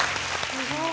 すごい！